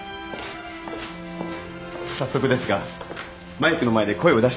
早速ですがマイクの前で声を出してみて下さい。